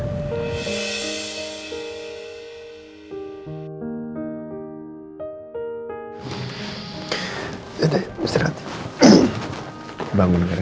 kita hadapin sama sama semuanya ya